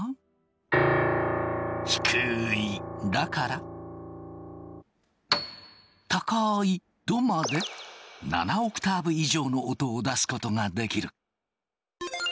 低い「ラ」から高い「ド」まで７オクターブ以上の音を出すことができる。